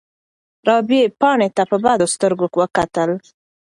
رابعې پاڼې ته په بدو سترګو وکتل.